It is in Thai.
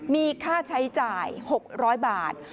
มีค่าใช้จ่าย๖๐๐บาท